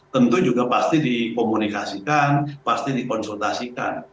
tentu juga pasti dikomunikasikan pasti dikonsultasikan